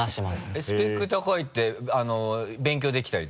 スペック高いって勉強できたりとか？